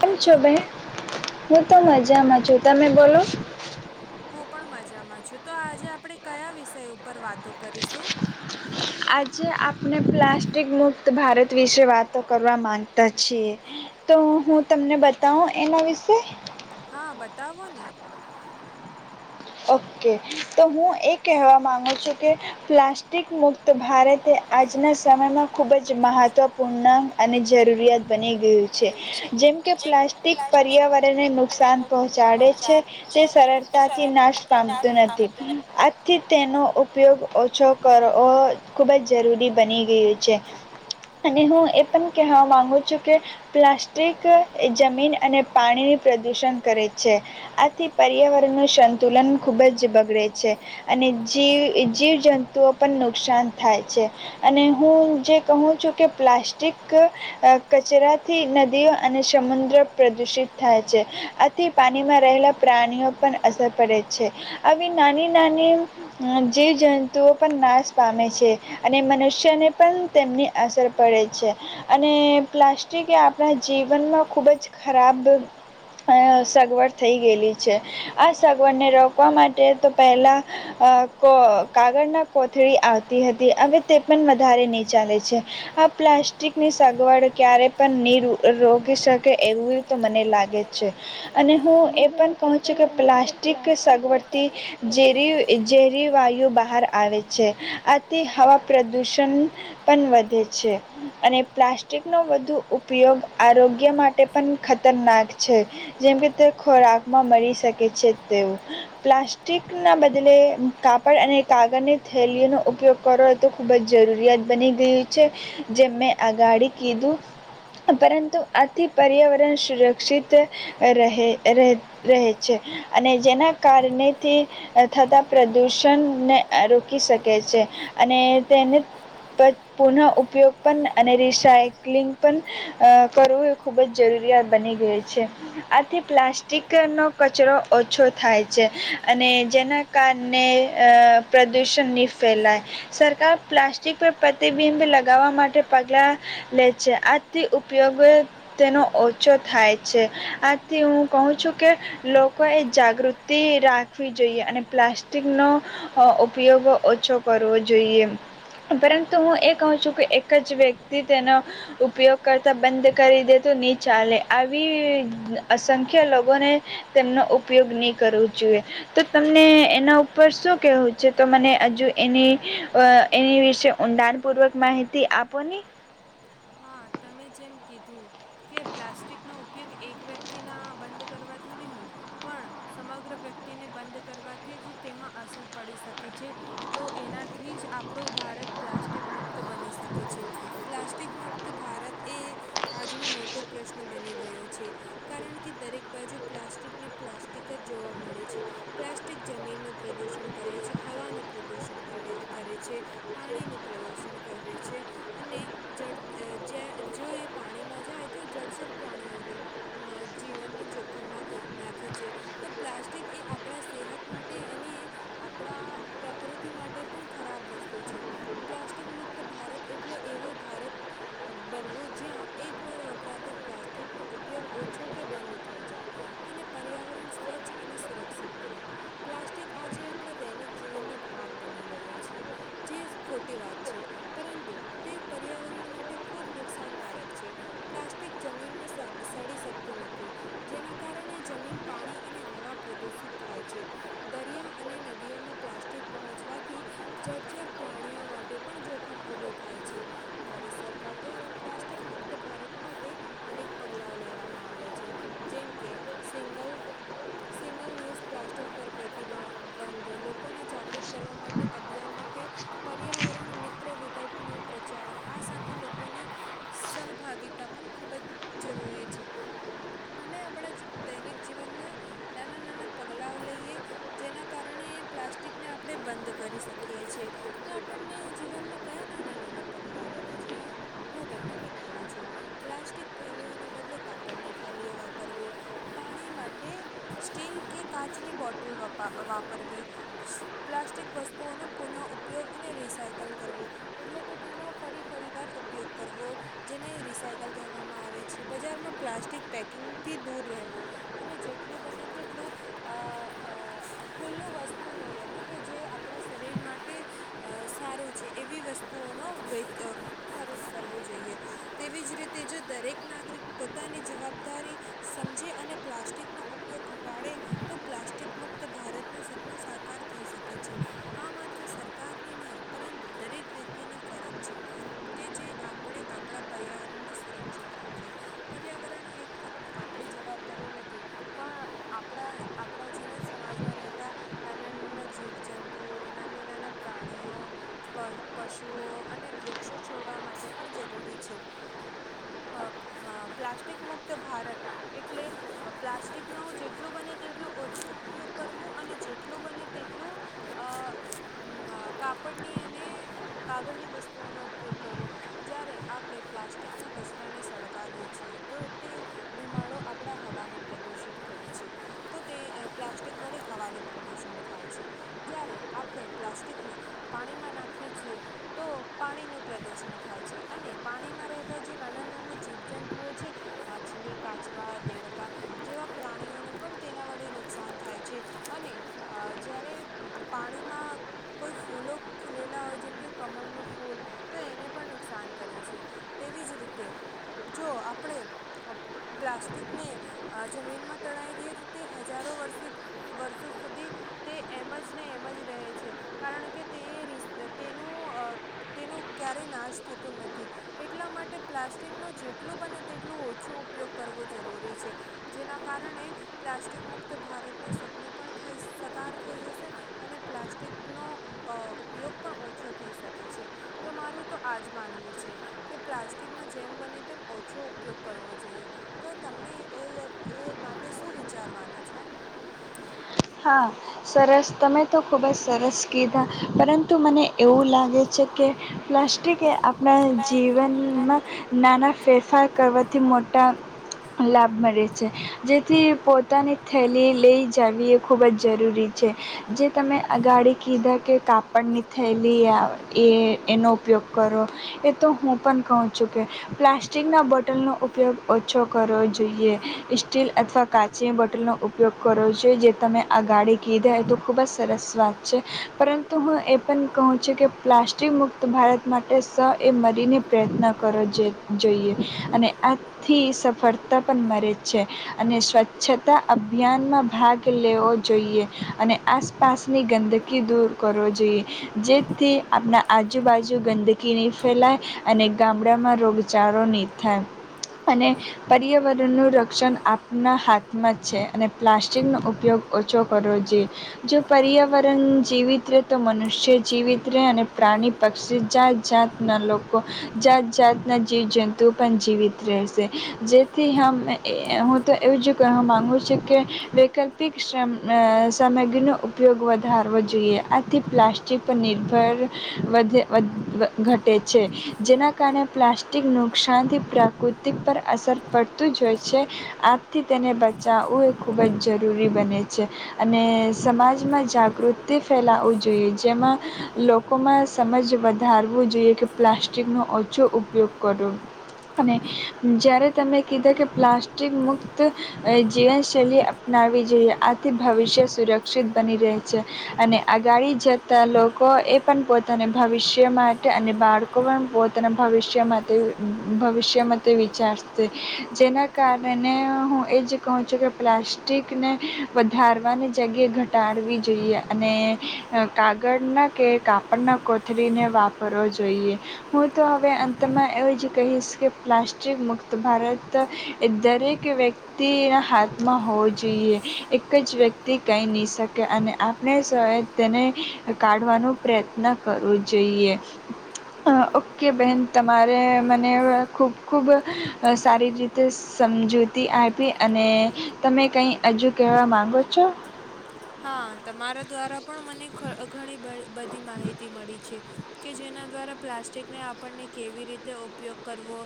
કેમ છો ભાઈ હું તો મજામાં છું તમે બોલો હું પણ મજામાં છું તો આજે આપણે કયા વિષય ઉપર વાતો કરીશું. આજે આપણે પ્લાસ્ટિક મુક્ત ભારત વિશે વાતો કરવા માંગી પછી તો હું તમને બતાવું એના વિશે. હા બતાવો ને ઓકે તો હું એ કહેવા માંગુ છું કે પ્લાસ્ટિક મુક્ત ભારતે આજના સમયમાં ખૂબ જ મહત્વપૂર્ણ અને જરૂરિયાત બની ગયું છે જેમ કે પ્લાસ્ટિક પર્યાવરણ ને નુકસાન પહોંચાડે છે તે સરળતા થી નાશ પામતું નથી આજથી તેનો ઉપયોગ ઓછો કરવો. ખુબ જ જરૂરી બની ગયું છે અને હું એ પણ કહેવા માંગુ છું કે પ્લાસ્ટિક જમીન અને પાણીની પ્રદુષણ કરે છે આથી પર્યાવરણ નું સંતુલન ખુબ જ બગડે છે. અને જી જીવ જંતુઓ પણ નુકસાન થાય છે. અને હું જે કહું છું કે પ્લાસ્ટિક કચરાથી નદીઓ અને સમુદ્ર પ્રદુષિત થાય છે. થી પાણીમાં રહેલા પ્રાણીઓ પર અસર પડે છે આવી નાની નાની જીવજંતુઓ પણ નાશ પામે છે. અને મનુષ્યને પણ તેમની અસર પડે છે. અને પ્લાસ્ટિક એ આપણા જીવનમાં ખૂબ જ ખરાબ અ સગવડ થઈ ગયેલી છે આ સગવડને રોકવા માટે તો પહેલા અ કો કાગળના કોથળી આવતી હતી હવે તે પણ વધારે ની ચાલે છે. આ પ્લાસ્ટિક ની સગવડ ક્યારે પણ ની રોકી શકે. કે એવું તો મને લાગે જ છે અને હું એ પણ કહું છું કે. પ્લાસ્ટિક શવર્તી જેરી જેરી વાયુ બહાર આવે છે આથી હવા પ્રદુષણ પણ વધે છે. અને પ્લાસ્ટિક નો વધુ ઉપયોગ આરોગ્ય માટે પણ ખતરનાક છે. જેમ કે તે ખોરાકમાં મરી શકે છે તેવું પ્લાસ્ટિક ના બદલે કાપડ અને કાગળની થેલીનો ઉપયોગ કર તો ખૂબ જ જરૂરિયાત બની ગય છે જેમ મેં આગાડી કીધું. પરંતુ આથી પર્યાવરણ સુરક્ષિત રહે રહે રહે છે અને જેના કારણેથી. થતા પ્રદૂષણને રોકી શકે છે અને તેને પર પુનઃ ઉપયોગ પણ અને રિસાયકલિંગ પણ અ કરવું એ ખૂબ જ જરૂરિયાત બની ગય છે આથી પ્લાસ્ટિકનો કચરો ઓછો થાય છે અને જેના કારણે પ્રદૂષણ ન ફેલાય સરકાર પ્લાસ્ટિક પર પ્રતિબિંબ લગાવવા માટે પગલા લે છે આથી ઉપયોગ તેનો ઓછો થાય છે આથી હું કહું છું કે લોકોએ જાગૃતિ રાખવી જોઈએ અને પ્લાસ્ટિકનો ઉપયોગ ઓછો કરવો જોઈએ. પરંતુ હું એ કહું છું કે એક જ વ્યક્તિ તેનો ઉપયોગ કરતા બંધ કરી દેતું નહી ચાલે આવી અસંખ્ય લોકોને તેમનો ઉપયોગ નહી કરવો જોઈએ. તો તમને એના ઉપર શું કેવું છે તો મને હજુ એની એની વિશે ઊંડાણપૂર્વક માહિતી આપો ને હા તમે જેમ કીધું કે પ્લાસ્ટિકનો ઉપયોગ એક વ્યક્તિના બંધ કરવા થી નહી. પણ સમગ્ર વ્યક્તિને બંધ કરવાથી જ તેમાં અસર પડી શકે છે. તો એનાથી જ આપણું ભારત પ્લાસ્ટિક મુક્ત બની શકે છે પ્લાસ્ટિક મુક્ત ક્ત ભારત એ આજનો મોટો પ્રશ્ન બની ગયો છે. કારણ કે દરેક બાજુ પ્લાસ્ટિકને પ્લાસ્ટિક જ જોવા મળે છે. પ્લાસ્ટિક જમીનનું પ્રદુષણ કરે છે હવાનું પ્રદુષણ કરે કરે છે. પાણીનું પ્રદુષણ કર છે અને જડ જે જો એ પાણીમાં જાય તો જળચર પ્રાણીઓનું. મ જીવનને જોખમમાં. નાખે છે તો પ્લાસ્ટિક એ આપણા સેહત માટે અને. આપણા પ્રકૃતિ માટે પણ ખરાબ વસ્તુ છે. પ્લાસ્ટિક મુક્ત ભારત એટલે એવું ભારત બનવું જ્યાં એક વાર વપરાતા પ્લાસ્ટિક નો ઉપયોગ ઓછો કે બંધ થઈ જાય. અને પર્યાવરણ સ્વચ્છ અને સુરક્ષિત બને. પ્લાસ્ટિક આજે આપણા દૈનિક જીવનનો ભાગ બની ગયો છે. જેસ ખોટી વાત છે, પરંતુ તે પર્યાવરણ માટે ખૂબ નુકસાનકારક છે. પ્લાસ્ટિક જમીનમાં સા સડી શકતું નથી. જેના કારણે જમીન, પાણી અને હવા પ્રદુષિત થાય છે. દરિયા અને નદીઓમાં પ્લાસ્ટિક પહોંચવાથી જળચર પ્રાણીઓ માટે પણ જોખમ ઉભું થાય છે. ભારત સરકાર કાર દ્વારા પ્લાસ્ટિક મુક્ત ભારત માટે અનેક પગલાઓ લેવામાં આવ્યા છે. જેમ કે, સિંગલ સિંગલ ન્યુઝ પ્લાસ્ટિક પર પ્રતિબબંધ, લોકોને જાગૃત કરવા માટે અભિયાન માટે પર્યાવરણ મિત્ર વિકલ્પનો પ્રચાર. આ સાથે લોકો કોને સહભાગીતા પણ ખૂબ જ જરૂરી છે. અમે આપણા દૈનિક જીવનમાં નાના નાના પગલાઓ લઈએ. જેના કારણે પ્લાસ્ટિકને આપણે બંધ કરી શકીએ છીએ. તો આપને જીવનમાં કયા નાના નાના પગલાઓ લેવા જોઈએ? હું તમને બતાવું છું, પ્લાસ્ટિક થેલીઓના બદલે કાપડની થેલીઓ વાપરવી. પાણી માટે સ્ટીલ કે કાચની બોટલ વપા વાપરવી. પ્લાસ્ટિક વસ્તુઓનો પુનઃ ઉપયોગ અને રિસાયકલ કરવો. એટલે કે તેનો ફરી ફરી વાર ઉપયોગ કરવો. જેને રિસાયકલ કહેવામાં આવે છે. બજારમાં પ્લાસ્ટિક પેકિંગથી દૂર રહેવું. અને જેટલું બને તેટલું. અ અ ખુલ્લું વસ્તુને લેવું, કે જે આપણા શરીર માટે. અ સારું છે, એવી વસ્તુઓનો ખરીદ કરવું જોઈએ. તેવીજ રીતે જો દરેક નાગરિક પોતાની જવાબદારી સમજે અને પ્લાસ્ટિકનો ઉપયોગ ઘટાડે. તો પ્લાસ્ટિક મુક્ત ભારતનું સપનું સાકાર થઈ સકે છે. આ માત્ર સરકારની નહીં, પરંતુ દરેક વ્યક્તિની ફરજ છે. કે જે આપડે આપડા પર્યાવરણને સુરક્ષિત રાખે. પર્યાવરણ એક ફક્ત આપણી જવાબદારી નથી. પણ આપણા આપણા જેવા જ સમાજમાં રહેતા. નાનના નાના જીવજંતુઓ, નાના નાના પ્રાણીઓ. પ પશુઓ અને વૃક્ષો, છોડવા માટે પણ જરૂરી છે. અ મ પ્લાસ્ટિક મુક્ત ભારત એટલે પ્લાસ્ટિકનો જેટલું બને તેટલું ઓછું ઉપયોગ કરવો અને જેટલું બને તેટલું અ મ કાપડની અને કાગળની વસ્તુઓનો ઉપયોગ કરવો. જ્યારે આપણે પ્લાસ્ટિક ના કચરાને સળગાવીએ છીએ, તો તે ધુમાડો આપડા હવાને પ્રદુષિત કરે છે. તો તે અ પ્લાસ્ટિક વડે હવાનું પ્રદુષણ થાય છે. જારે આપણે પ્લાસ્ટિકને પાણીમાં નાખીએ છીએ, તો પાણીનું પ્રદૂષણ થાય છે અને પાણીમાં રહેતા જે નાના નાના જીવજંતુઓ છે. માછલી, કાચવા, દેડકા,... જેવા પ્રાણીઓને પણ તેના વડે નુકસાન થાય છે અને અ જ્યારે પાણીમાં કોઈ ફૂલો ખીલેલા હોય, જેમ કે કમળ નું ફૂલ. તો એને પણ નુકસાન કરે છે, તેવી જ રીતે જો આપણે. પ્લાસ્ટિકને અ જમીનમાં તણાવી દઈએ તો તે હજારો વર્ષે વર્ષો સુધી તે એમ જ ને એમ જ રહે છે. કારણ કે તે રીસ તેનો અ તેનો ક્યારેય નાશ થતું નથી. એટલા માટે પ્લાસ્ટિક નો જેટલું બને તેટલું ઓછું ઉપયોગ કરવો જરૂરી છે. જેના કારણે પ્લાસ્ટિક મુક્ત ભારત નું સપનું પણ થઈ સકાર થઈ જશે. અને પ્લાસ્ટિક નો અ ઉપયોગ પણ ઓછો થઈ શકે છે. તો મારુ તો આજ માનવું છે. કે પ્લાસ્ટિક નો જેમ બને તેમ ઓછો ઉપયોગ કરવો જોઈએ. તો તમને એલ એ માટે શું વિચારવાનું છે? હા સરસ, તમે તો ખૂબ જ સરસ કીધા, પરંતુ મને એવું લાગે છે કે પ્લાસ્ટ્ટિક એ આપણા જીવનમાં. નાના ફેરફાર કરવાથી મોટા લાભ મળે છે, જેથી પોતાની થેલી લઈ જવી એક ખૂબજ જરૂરી છે. જે તમે અગાડી કીધા, કે કાપડની થયેલીઆ એ એનો ઉપયોગ કરો. એ તો હું પણ કહું છું કે. પ્લાસ્ટિક ના બોટલનો ઉપયોગ ઓછો કરવો જોઈએ, સ્ટીલ અથવા કાચની બટલનો ઉપયોગ કરવો જોઈએ, જે તમે આગાડી કીધા એતો ખૂબ જ સરસ વાત છે, પરંતુ હું એ પણ કહું છું કે પ્લાસ્ટ ટિક મુક્ત ભારત માટે સએ મરીને પ્રયત્ન કરો જો જોઈએ, અને આ થી સફળતા પણ મળે છે, અને સ્વચ્છતા અભિયાનમાં ભાગ લેવો જોઈએ, અને આસપાસની ગંદકી દૂર કરવો જોઈએ, જેથી આપણા આજુબાજુ ગંદકી નહીં ફેલાય, અને ગામડામાં રોગચાળો નહીં થાય. અને પર્યાવરણનું રક્ષણ આપના હાથમાં જ છે, અને પ્લાસ્ટિકનો ઉપ યોગ ઓછો કરવો જોઈએ. જો પર્યાવરણ જીવિત રહે, તો મનુષ્ય જીવિત રહે, અને પ્રાણી પક્ષી જાત જાતના લોકો, જાત જાતના જીવજંતુ પણ જીવિત રેહસે, જેથી હમ એ હું તો એવુંજ કહેવા માગુ છું કે, વૈકલ્પ ટિક શ્રમ અ સામગ્રી નો ઉપયોગ વધારવો જોઈએ, આથી પ્લાસ ચીટ નિર્ભર વધે વ વ ઘટે છે, જેના કારણે પ્લાસ્ટિક નુકસાનથી પ્રાકૃતિક પર અસર પડતુંજ હોય છે. આપથી તેને બચાવવું એ ખૂબ જ જરૂરી બને છે. અને સમાજમાં જાગૃતિ ફેલાવું જોઈએ, જેમાં લો લોકોમાં સમજ વધારવું જોઈએ, કે પ્લાસ્ટિકનો ઓછો ઉપયોગ કરો. અને જ્યારે તમે કીધા કે, પ્લાસ્ટિક મુક્ત અ જીવનશૈલી અપ નાવી જોઈએ, આથી ભવિષ્ય સુરક્ષિત બની રહે છે. અને અગાડી જતા લોકો એ પણ પોતાના ભવિષ્ય માટે અને બાળ કો પણ પોતાના ભવિષ્ય માટે, ભવિષ્ય માટે વિચારશે, જેના કારણે હું એ જ કહું છું કે પ્લાસ્ સ્ટિકને વધારવાની જગ્યાએ, ઘટાડવી જોઈએ, અને અ કાગળના કે, કાપડના કોથળીને વાપરવો જોઈએ. હું તો હવે અંતમાં એવું જ કહીશ, કે પ્લાસ્ટિક મુક્ત ભારત એ દરેક વ્યક્તિ ટી ના હાથમાં હો જોઈએ, એક જ વ્યક્તિ કઈ નહી શકે, અને આપણે સહે તેને કાઢવાનો પ્રયત્ન કરવો જોઈએ. અ ઓકે બહેન, તમારે મને ખૂબ ખૂબ અ સારી રીતે સમજૂતી આપી, અને તમે કંઈ હજુ કહેવા માગો છો. હા તમારા દ્વારા પણ મને ઘ ઘણી બ બધી માહિતી મળી છે. કે જેના દ્વારા પ્લાસ્ટિકને આપણને કેવી રીતે ઉપયોગ કરવો,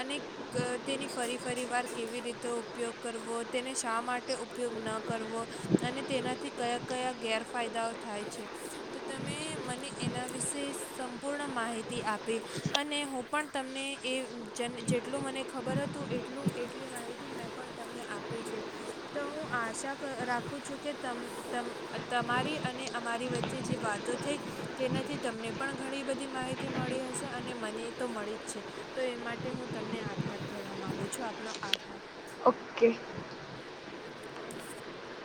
અને ક તેની ફરી ફરી વાર કેવી રીતે ઉપયોગ કરવો, તેને શા માટે ઉપ ઉપયોગ ન કરવો, અને તેનાથી કયા કયા ગેરફાયદાઓ થાય છે, તો તમે મને એના વિશે સમ પૂર્ણ માહિતી આપી, અને હું પણ તમને એ જ જેટલું મને ખબર હતું તુ એટલું એટલી માહિતી મેં પણ તમને આપી છે. તો હું આશા ક રાખું છું કે તમ તમ તમારી અને અમારી વચ્ચે જે વાતો થઈ તેનાથી તમને પણ ઘણી બધી માહિતી મળી હશે અને મને તો મળી જ છે. તો એ માટે હું તમને આભાર કહેવા માંગુ છું આપનો આભાર. ઓકે. [unintelligible]